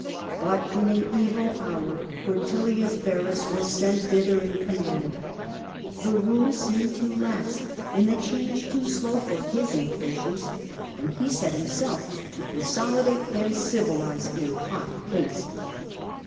But in an evil hour Quintilius V arus was sent thither in command. The rule seemed too lax and the change too slow for his impatience, and he set himself to consolidate and civilize in hot haste.